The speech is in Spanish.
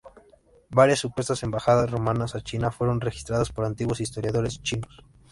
Varias supuestas embajadas romanas a China fueron registradas por antiguos historiadores chinos.